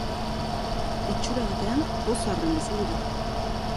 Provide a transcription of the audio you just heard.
Itxura batean pozarren bizi dira.